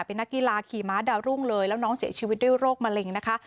เป็นนักกีฬาขี่ม้าดาวรุ่งเลยแล้วน้องเสียชีวิตด้วยโรคมะเร็งนะคะ